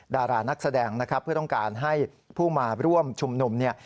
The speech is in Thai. ดารานักแสดงนะครับเพื่อต้องการให้ผู้มาร่วมชุมนุมเนี่ย